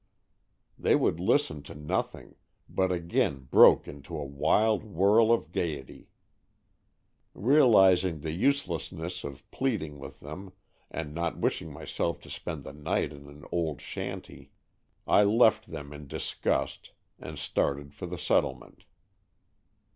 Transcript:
They would listen to nothing, but again broke into a wild whirl of gayety. Realizing the uselessness of pleading with them and not wishing myself to spend the night in the old shanty, I left them in disgust and started for the set tlement.